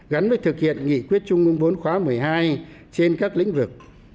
gắn với thực hiện nghị quyết trung ương bốn khóa một mươi hai trên các lĩnh vực